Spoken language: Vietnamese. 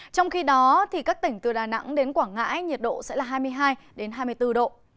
trong khi đó các tỉnh từ đà nẵng đến quảng ngãi nhiệt độ sẽ là hai mươi hai hai mươi bốn độ